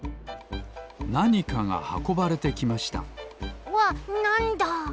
なにかがはこばれてきましたわっなんだ！？